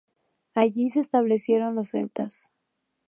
Allí se establecieron los celtas.